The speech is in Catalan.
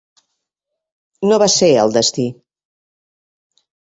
No va ser el destí.